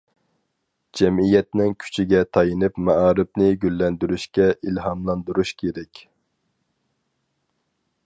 جەمئىيەتنىڭ كۈچىگە تايىنىپ مائارىپنى گۈللەندۈرۈشكە ئىلھاملاندۇرۇش كېرەك.